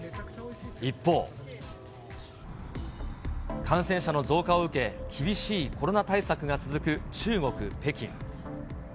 一方。感染者の増加を受け、厳しいコロナ対策が続く中国・北京。